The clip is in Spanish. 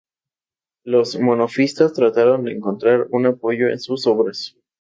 Los monofisitas trataron de encontrar un apoyo en sus obras.